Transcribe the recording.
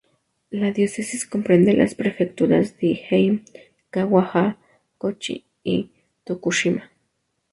La diócesis comprende las prefecturas di Ehime, Kagawa, Kochi y Tokushima.